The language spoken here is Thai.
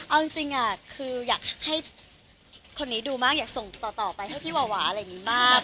เอาจริงคืออยากให้คนนี้ดูมากอยากส่งต่อไปให้พี่หวาอะไรอย่างนี้มาก